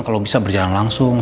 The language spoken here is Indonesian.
kalau bisa berjalan langsung